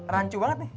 rancu banget nih